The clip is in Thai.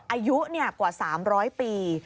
อายุกว่า๓๐๐ปี